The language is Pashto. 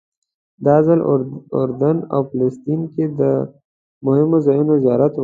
دا ځل اردن او فلسطین کې د مهمو ځایونو زیارت و.